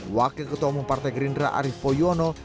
wakil ketua umum partai gerindra arief poyono